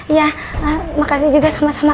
iya makasih juga sama sama